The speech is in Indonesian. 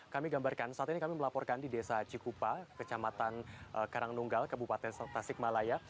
kami gambarkan saat ini kami melaporkan di desa cikupa kecamatan karangnunggal kabupaten tasikmalaya